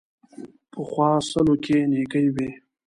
پخو سلوکو کې نېکي وي